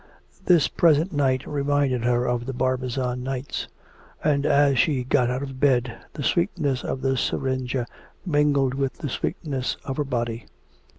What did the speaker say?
This present night reminded her of the Barbizon nights. And as she got out of bed the sweetness of the syringa mingled with the sweetness of her body.